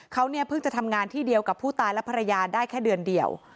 เขาเนี่ยเพิ่งจะทำงานที่เดียวกับผู้ตายและภรรยาได้แค่เดือนเดียว